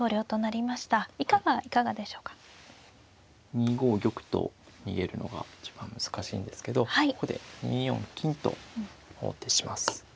２五玉と逃げるのが一番難しいんですけどここで２四金と王手します。